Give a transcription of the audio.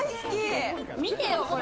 見てよ！